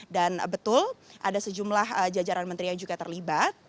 dan betul ada sejumlah jajaran menteri yang juga terlibat